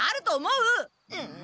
うん！